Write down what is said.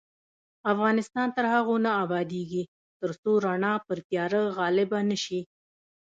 افغانستان تر هغو نه ابادیږي، ترڅو رڼا پر تیاره غالبه نشي.